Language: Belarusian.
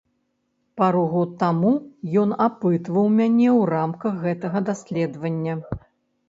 Пару год таму ён апытваў мяне ў рамках гэтага даследавання.